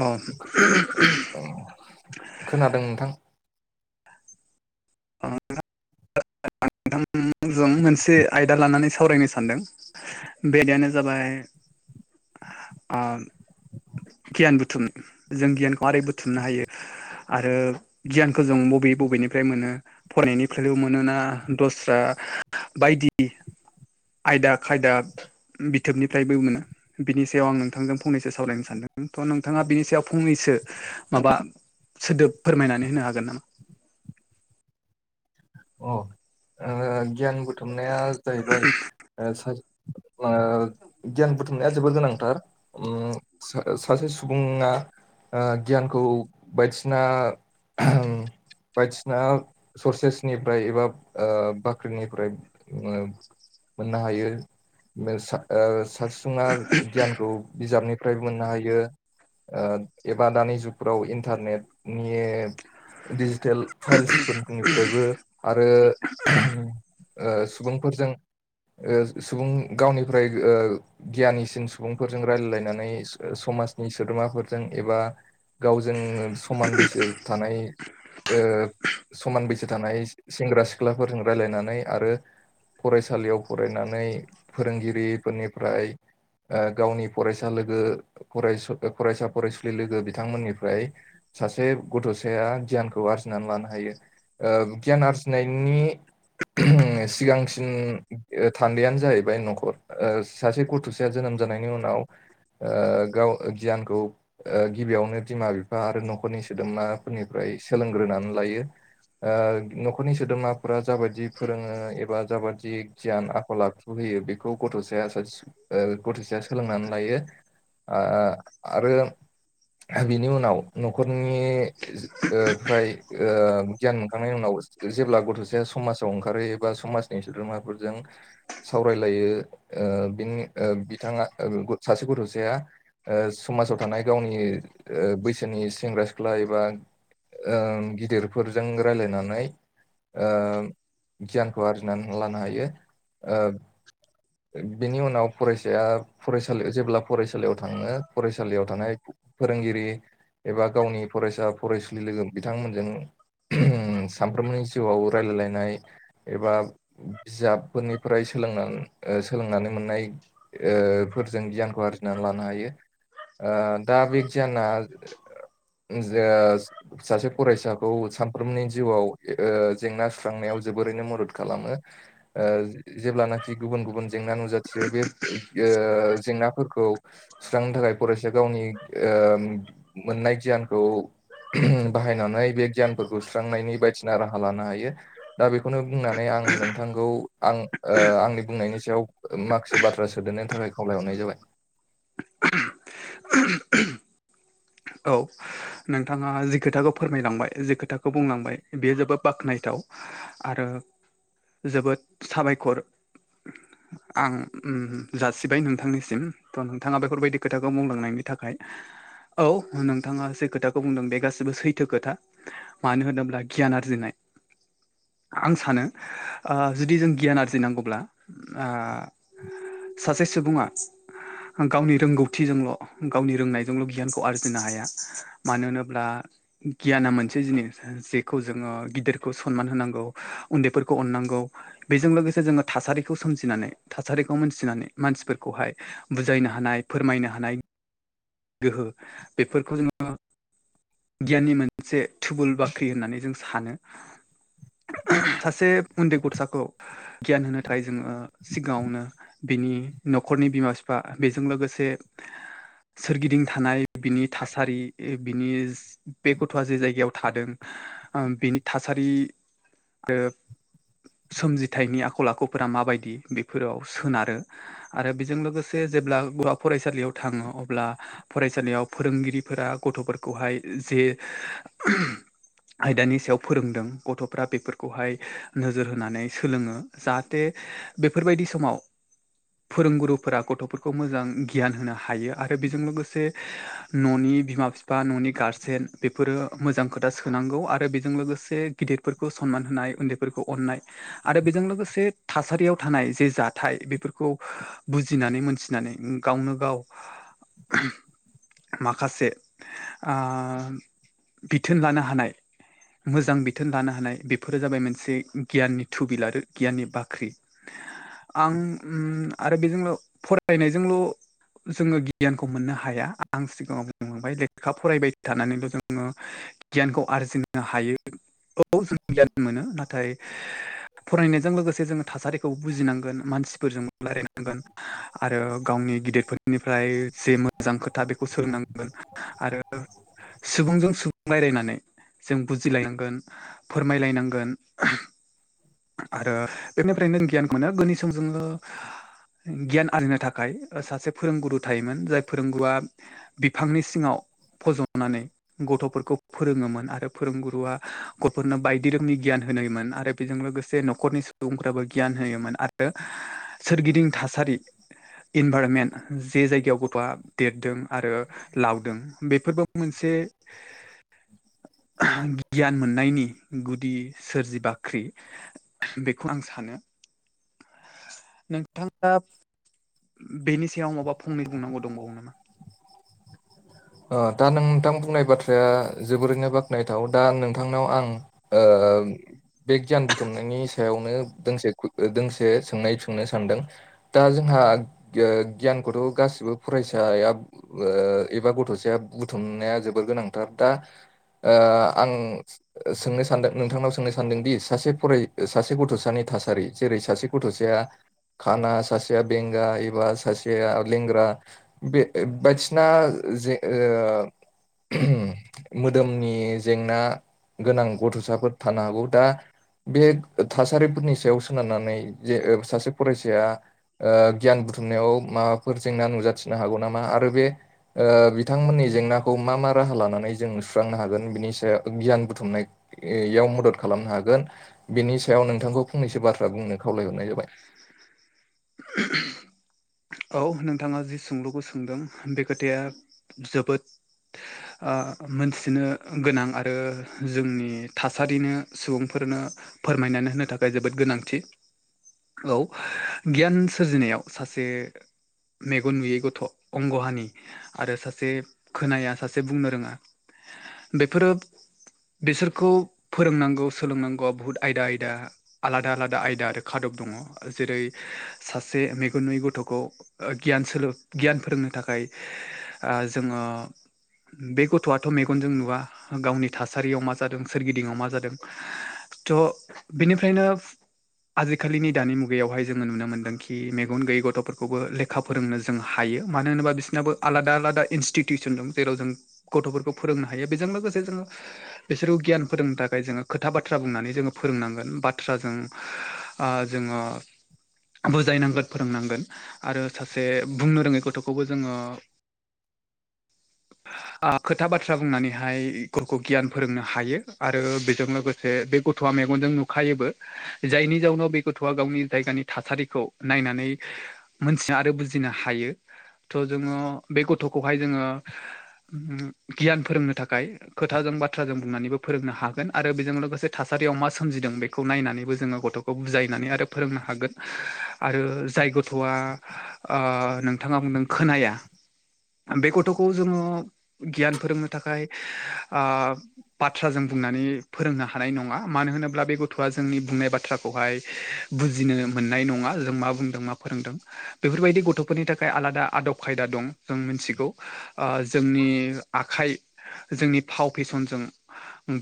अ [unintelligible] खोनादों नोंथां। [unintelligible] [unintelligible] मोनसे आयदा लानानै सावरायनो सानदों। बे आयदायानो जाबाय ओ गियान बुथुम। आरो गियानखौ जों बबे बबेनिफ्राय मोनो फरायनायनिफ्रायल मोनोना दस्रा बायदि आयदा खायदा बिथोबनिफ्रायबो मोनो। बिनि सायाव आं नोंथांजों फंनैसो सावरायनो सानदों थ नोंथाङा बिनि सायाव फंनैसो माबा सोदोब फोरमायनानै होनो हागोन नामा? अ ओ-गियान बुथुमनाया जाहैबाय ओ-सास ओ-गियान बुथुमनाया जोबोर गोनांथार। उम सा सासे सुबुङा। ओ गियानखौ बायदिसिना आहुम बायदिसिना सर्सेसनिफ्राय एबा ओ-बाख्रिनिफ्राय ओ मोननो हायो सा ओ सासे सुबुङा गियानखौ। बिजाबनिफ्रायबो मोननो हायो। ओ एबा दानि जुगफ्राव इन्टारनेटनि डिजिटेल फाइल्सफोरनिफ्रायबो आरो ओ सुबुंफोरजों ओ सुबुं गावनिफ्राय ओ गियानिसिन सुबुंफोरजों रायलायलायनानै स समाजनि सोद्रोमाफोरजों एबा गावजों समान बैसो थानाय ओ समान बैसो थानाय सेंग्रा सिख्लाफोरजों रायलायनानै आरो फरायसालियाव फरायनानै फोरोंगिरिफोरनिफ्राय ओ गावनि फरायसा लोगो फरायस [unintelligible] फरायसा फरायसुलि लोगो बिथांमोननिफ्राय सासे गथ'साया गियानखौ आरजिनानै लानो हायो ओ गियान आरजिनायनि सिगांसिन ओ थान्दैयानो जाहैबाय न'खर ओ सासे गथ'साया जोनोम जानायनि उनाव ओ गाव गियानखौ ओ गिबियावनो बिमा बिफा आरो न'खरनि सोदोमाफोरनिफ्राय सोलोंग्रोनानै लायो ओ न'खरनि सोद्रोमाफोरा जाबादि फोरोङो एबा जाबादि गियान आखल आख खौ होयो बेखौ गथ'साया सासे [unintelligible] ओ गथ'साया सोलोंनानै लायो आ आ आरो बिनि उनाव न'खरनि ओ फ्राय ओ गियान मोनखांनायनि उनाव जेब्ला गथ'साया समाजाव ओंखारो एबा समाजनि सोद्रोमाफोरजों सावरायलायो ओ बिनि ओ बिथाङा ओ ग [unintelligible] सासे गथ'साया ओ समाजाव थानाय गावनि ओ बैसोनि सेंग्रा सिख्ला एबा ओ गिदिरफोरजों रायलायनानै ओ गियानखौ आरजिनानै लानो हायो ओ बिनि उनाव फरायसाया फरायसालियाव जेब्ला फरायसालियाव थाङो फरायसालियाव थानाय फोरोंगिरि एबा गावनि फरायसा फरायसुलि लोगो बिथांमोनजों सान फ्रोमनि जिउआव रायलायलायनाय एबा बिजाबफोरनिफ्राय सोलोंनानै ओ सोलोंनानै मोननाय ओ फोरजों गियानखौ आरजिनानै लानो हायो ओ दा बे गियाना [unintelligible] सासे फरायसाखौ सानफ्रोमनि जिउआव ओ जेंना सुस्रांनायाव जोबोरैनो मदद खालामो ओ जेब्लानाखि गुबुन गुबुन जेंना नुजाथियो बे ओ जेंनाफोरखौ सुस्रांनो थाखाय फरायसाया गावनि ओ मोननाय गियानखौ बाहायनानै बे गियानफोरखौ सुस्रांनायनि बायदिसिना राहा लानो हायो दा बेखौनो बुंनानै आं नोंथांखौ आं ओ आंनि बुंनायनि सायाव माखासे बाथ्रा सोदेरनायनि थाखाय खावलायहरनाय जाबाय [inaudible] औ नोंथाङा जि खोथाखौ फोरमायलांबाय जि खोथाखौ बुंलांबाय बेयो जोबोद बाख्नायथाव आरो जोबोद साबायखर आं उ जासिबाय नोंथांनिसिम थ' नोंथाङा बेफोरबायदि खोथाखौ बुंलांनायनि थाखाय औ नोंथाङा जे खोथाखौ बुंदों बे गासिबो सैथो खोथा मानो होनोब्ला गियान आरजिनाय आं सानो ओ जुदि जों गियान आरजिनांगौब्ला आ सासे सुबुङा गावनि रोंगौथिजोंल' गावनि रोंनायजोंल' गियानखौ आरजिनो हाया मानो होनोब्ला गियाना मोनसे जिनिस जेखौ जोङो गिदिरखौ सनमान होनांगौ उन्दैफोरखौ अननांगौ बेजों लोगोसे जोङो थासारिखौ सोमजिनानै थासारिखौ मोनथिनानै मानसिफोरखौहाय बुजायनो हानाय फोरमायनो हानाय गोहो बेफोरखौ जोङो गियाननि मोनसे थुबुल बाख्रि होननानै जों सानो। सासे उन्दै गथ'साखौ गियान होनो थाखाय जोङो ओ- सिगाङावनो बिनि न'खरनि बिमा बिफा बेजों लोगोसे सोरगिदिं थानाय बिनि थासारि बिनि बे गथ'आ जे जायगायाव थादों बिनि थासारि ओ- सोमजिथाइनि आखल आखुफोरा माबायदि बेफोराव सोनारो आरो बेजों लोगोसे जेब्ला गुवा फरायसालियाव थाङो अब्ला फरायसालियाव फोरोंगिरिफोरा गथ'फोरखौहाय जे आयदानि सायाव फोरोंदों गथ'फ्रा बेफोरखौहाय नोजोर होनानै सोलोङो जाहाथे बेफोरबायदि समाव फोरोंगुरुफोरा गथ'फोरखौ मोजां गियान होनो हायो आरो बेजों लोगोसे न'नि बिमा बिफा न'नि गारजेन बेफोरो मोजां खोथा सोनांगौ आरो बेजों लोगोसे गिदिरफोरखौ सनमान होनाय उन्दैफोरखौ अननाय आरो बेजों लोगोसे थासारियाव थानाय जे जाथाय बेफोरखौ बुजिनानै मोनथिनानै गावनो गाव माखासे ओ बिथोन लानो हानाय मोजां बिथोन लानो हानाय बेफोरो जाबाय मोनसे गियाननि थुबिल आरो गियाननि बाख्रि आं ओम आरो बेजोंल' फरायनायजोंल' जोङो गियानखौ मोननो हाया आं सिगाङाव बुंनोहांबाय लेखा फरायबाय थानानैल' जोङो गियानखौ आरजिनो हायो औ जों गियान मोनो नाथाय फरायनायजों लोगोसे जोङो थासारिखौ बुजिनांगोन मानसिफोरजों रायलायनांगोन। आरो गावनि गिदिरफोरनिफ्राय जे मोजां खोथा बेखौ सोलोंनांगोन आरो सुबुंजों सुबुं रायजलायनानै जों बुजिलायनांगोन। फोरमायलायनांगोन। आरो बेनिफ्राय नों गियानखौनो [unintelligible] समजों गियान आरजिनो थाखाय ओ-सासे फोरोंगुरु थायोमोन जाय फोरोंगुआ बिफांनि सिङाव फजनानै गथ'फोरखौ फोरोङोमोन आरो फोरोंगुरुआ गथ'फोरनो बायदि रोखोमनि गियान होनायोमोन आरो बेजों लोगो जे न'खरनि सुबुंफ्राबो गियान होयोमोन आरो सोरगिदिं थासारि इनभारमेन्ट जे जायगायाव गथ'आ देरदों आरो लावदों बेफोरबो मोनसे गियान मोननायनि गुदि सोरजिबाख्रि। बेखौ आं सानो। नोंथाङा बेनि सायाव माबा फंनै बुंनांगौ दंबावो नामा? ओ-दा नोंथां बुंनाय बाथ्राया जोबोरैनो बाख्नायथाव दा नोंथांनाव आं ओ बे गियान बुथुमनायनि सायावनो दोंसे दोंसे सोंनाय सोंनो सानदों। दा जोंहा गि-गियानखौथ' गासिबो फरायसाया ओ-एबा गथ'सेया बुथुमनाया जोबोर गोनांथार दा ओ आं सोंनो सानदों नोंथांनाव सोंनो सानदोंदि सासे फराय सासे गथ'सानि थासारि जेरै सासे गथ'सेया खाना सासेया बेंगा एबा सासेया लेंग्रा बे बे-बायदि सिना जे ओ- [unintelligible] मोदोमनि जेंना गोनां गथ'साफोर थानो हागौ दा। बे थासारिफोरनि सायाव सोनारनानै जे ओ-सासे फरायसाया ओ गियान बुथुमनायाव माबाफोर जेंना नुजाथिनो हागौ नामा आरो बे ओ बिथांमोननि जेंनाखौ मा मा राहा लानानै जों सुस्रांनो हागोन बिनि सा-सायाव गियान बुथुमनाय याव मदद खालामनो हागोन बेनि सायाव नोंथांखौ फंनैसो बाथ्रा बुंनो खावलायहरनाय जाबाय। [unintelligible] औ नोंथाङा जि सोंलुखौ सोंदों बे खोथाया जोबोद ओ मोनथिनो गोनां आरो जोंनि थासारिनो सुबुंफोरनो फोरमायनानै होनो थाखाय जोबोद गोनांथि। औ गियान सोरजिनायाव सासे मेगन नुयै गथ' अंग हानि आरो सासे खोनाया सासे बुंनो रोङा बेफोरो बिसोरखौ फोरोंनांगौ सोलोंनांगौआ बहुत आयदा आयदा। आलादा आलादा आयदा आरो खादब दङ जेरै सासे मेगन नुयै गथ'खौ ओ गियान सोलों गियान फोरोंनो थाखाय ओ जोङो बे गथ'आथ' मेगनजों नुवा गावनि थासारियाव मा जादों सोरगिदिङाव मा जादों। थ' बिनिफ्रायनो आजिखालिनि दानि मुगायावहाय जोङो नुनो मोनदोंखि मेगन गैयै गथ'फोर खौबो लेखा फोरोंनो जों हायो मानो होनोबा बिसिनाबो आलादा आलादा इनस्टिटिउसन दं जेराव जों गथ'फोरखौ फोरोंनो हायो बेजों लोगोसे जोङो बिसोरखौ गियान फोरोंनो थाखाय जोङो खोथा बाथ्रा बुंनानै जोङो फोरोंनांगोन बाथ्राजों ओ जोङो बुजायनांगोन फोरोंनांगोन। आरो सासे बुंनो रोङै गथ'खौबो जोङो ओ खोथा बाथ्रा बुंनानैहाय गरखौ गियान फोरोंनो हायो आरो बेजों लोगोसे जे बे गथ'आ मेगनजों नुखायोबो। जायनि जाउनाव बे गथ'आ गावनि जायगानि थासारिखौ नायनानै मोनथिनो आरो बुजिनो हायो थह जोङो बे गथ'खौहाय जोङो गियान फोरोंनो थाखाय खोथाजों बाथ्राजों बुंनानैबो फोरोंनो हागोन आरो बेजों लोगोसे थासारियाव मा सोमजिदों बेखौ नायनानैबो जोङो गथ' बुजायनानै आरो फोरोंनो हागोन आरो जाय ग थ'आ आ नोंथाङा बुंदों खोनाया। बे गथ'खौ जोङो गियान फोरोंनो थाखाय ओ बाथ्रा जों बुंनानै फोरोंनो हानाय नङा मानो होनोब्ला बे गथ'आ जोंनि बुंनाय बाथ्राखौहाय बुजिनो मोननाय नङा जों मा बुंदों मा फोरोंदों बेफोरबायदि गथ'फोरनि थाखाय आलादा आदब खायदा दं जों मिथिगौ। ओ जोंनि आखाइ जोंनि फाव फेसनजों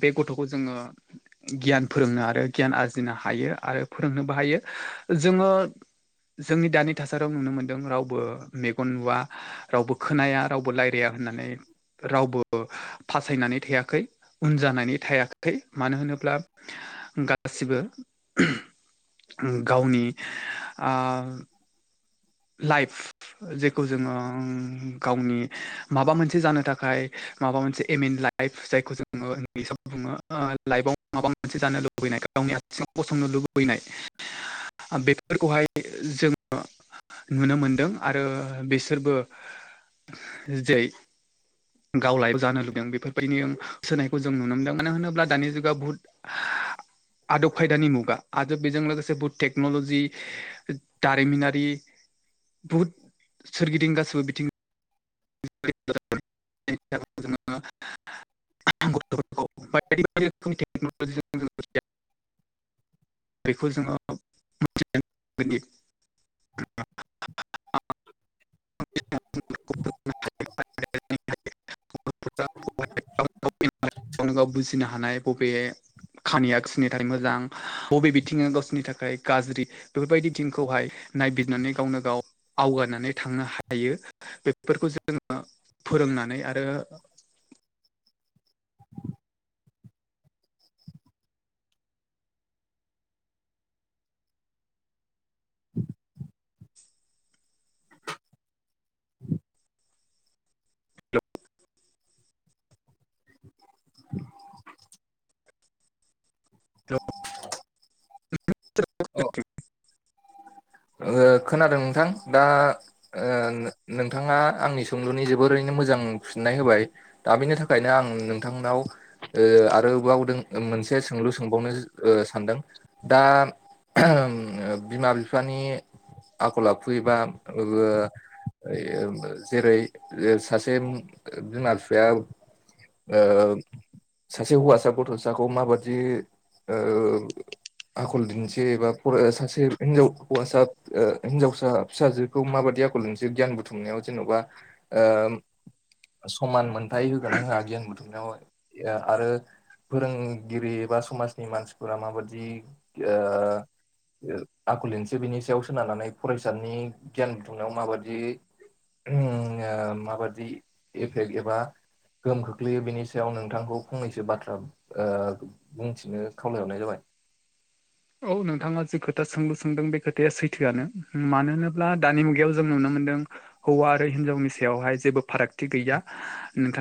बे गथ'खौ जोङो गियान फोरोंनो आरो गियान आरजिनो हायो आरो फोरोंनोबो हायो जोङो जोंनि दानि थासारियाव नुनो मोन्दों रावबो मेगन नुवा रावबो खोनाया रावबो लाइ गैया होननानै रावबो [unintelligible] फासायनानै थायाखै उन जानानै थायाखै मानो होनोब्ला गासिबो गावनि ओ [inaudible] लाइफ जेखौ जोङो गावनि माबा मोनसे जानो थाखाय माबा मोनसे एम इन लाइप। लाइफ जायखौ जोङो इंलिसाव बुङो ओ लाइफआव माबा मोनसे जानो लुबैनाय। गावनि आथिङाव गसंनो लुबैनाय बेफोरखौहाय जोङो नुनो मोनदों आरो बिसोरबो जै गावलाय जानो लुबैदों बेफोरबायदि सोनायखौ जों नुनो मोन्दों मानो होनोब्ला दानि जुगाव बुहुत आदब खायदानि मुगा आदब बिजों लोगोसे बहुत टेक्नलजि दारिमिनारि बहुत सोरगिदिं गासिबो बिथिं [unintelligible] [unintelligible] बेखौ जोङो [unintelligible] [unintelligible] [unintelligible] गावनो गाव बुजिनो हानाय बबे खामानिया सोरनि थाखाय मोजां बबे बिथिङा गावसोरनि थाखाय गाज्रि बेफोरबायदि थिमखौहाय नायबिजिरनानै गावनो गाव आवगायनानै थांनो हायो। बेफोरखौ जोङो फोरोंनानै आरो [inaudible] [unintelligible] अ खोनादों नोंथां दा नोंथाङा आंनि सोंलुनि जोबोरैनो मोजां फिननाय होबाय। दा बिनि थाखायनो आं नोंथांनाव आरोबाव मोनसे सोंलु सोंबावनो सानदों। दा बिमा बिफानि आखल आखु एबा ओ जेरै सासे बिमा बिफाया ओ सासे हौवासा गथ'साखौ माबादि ओ आखल दिन्थि एबा फर सासे हिनजाव हौवासा हिन्जावसा फिसाजोखौ माबादि आखल दिन्थियो गियान बुथुमनायाव जेन'बा समान मोनथाय होगोना होआ गियान बुथुमनायाव आरो फोरोंगिरि बा समाजनि मानसिफोरा माबादि ओ आखल दिन्थियो बिनि सायाव सोनारनानै फरायसानि गियान बुथुमनायाव माबादि माबादि एफेक्ट एबा गोहोम खोख्लैयो बेनि सायाव नोंथांखौ फंनैसो बाथ्रा ओ बुंथिनो खावलायहरनाय जाबाय। औ नोंथाङा जि खोथा सोंलु सोंदों बे खोथाया सैथोआनो मानो होनोब्ला दानि मुगायाव जों नुनो मोनदों हौवा आरो हिनजावनि सायावहाय जेबो फारागथि गैया नोंथां